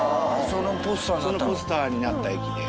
そのポスターになった駅で。